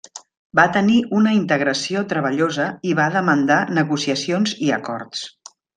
Va tenir una integració treballosa i va demandar negociacions i acords.